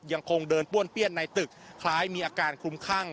ยังคงเดินป้วนเปี้ยนในตึกคล้ายมีอาการคลุมคั่ง